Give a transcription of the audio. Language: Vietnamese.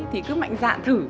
thì cứ mạnh dạn thử